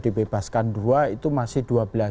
dibebaskan dua itu masih